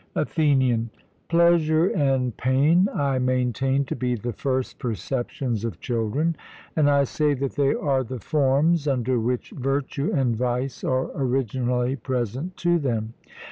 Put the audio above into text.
ATHENIAN: Pleasure and pain I maintain to be the first perceptions of children, and I say that they are the forms under which virtue and vice are originally present to them.